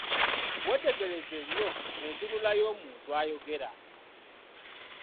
Weetegereze nnyo entunula y'omuntu ayogera.